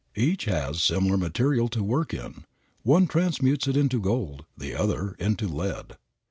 Each has similar material to work in. One transmutes it into gold; the other into lead.